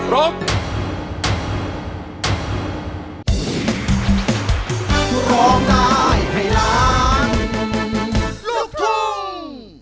ร้อง